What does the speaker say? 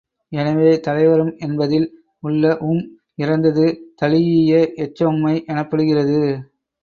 எனவே, தலைவரும் என்பதில் உள்ள உம் இறந்தது தழீஇய எச்ச உம்மை எனப்படுகிறது.